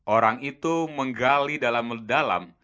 orang itu menggali dalam dalam